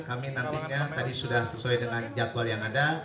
kami nantinya tadi sudah sesuai dengan jadwal yang ada